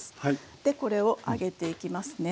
でこれを揚げていきますね。